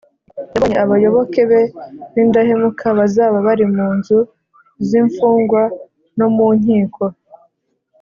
yabonye abayoboke be b’indahemuka bazaba bari mu nzu z’imfungwa no mu nkiko